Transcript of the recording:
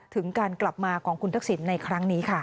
ถึงการกลับมาของคุณทักษิณในครั้งนี้ค่ะ